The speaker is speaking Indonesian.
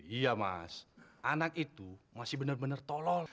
iya mas anak itu masih bener bener tolol